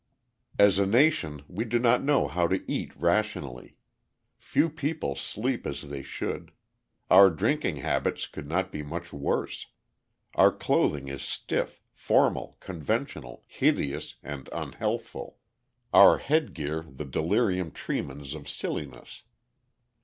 As a nation, we do not know how to eat rationally; few people sleep as they should; our drinking habits could not be much worse; our clothing is stiff, formal, conventional, hideous, and unhealthful; our headgear the delirium tremens of silliness.